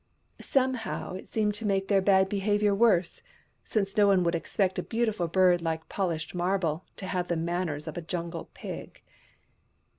Somehow, it seemed to make their bad behaviour worse, since no one would expect a beautiful bird like pohshed marble to have the manners of a jungle pig.